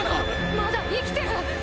まだ生きてる！